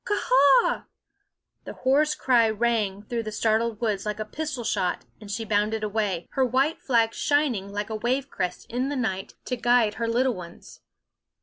ka a a h! the hoarse cry rang through the startled woods like a pistol shot ; and she bounded away, her white flag shining like a wave crest in the night to guide her little ones.